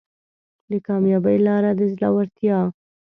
د کامیابۍ لاره د زړورتیا